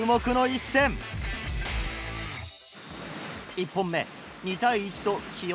１本目２対１ときよ